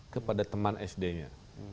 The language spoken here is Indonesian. kepada teman sd nya